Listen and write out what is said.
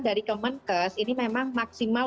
dari kemenkes ini memang maksimal